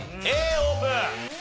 Ａオープン！